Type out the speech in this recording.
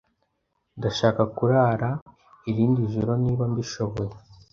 Ndashaka kurara irindi joro niba mbishoboye.